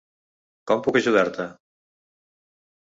Com puc ajudar-te?